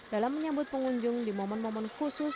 dalam menyambut pengunjung di momen momen khusus